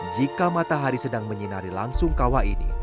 jika matahari sedang menyinari langsung kawah ini